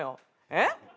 えっ？